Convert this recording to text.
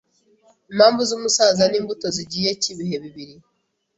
Impamvu zumusaza nimbuto zigihe cyibihe bibiri